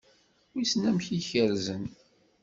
Wissen amek i kerrzen?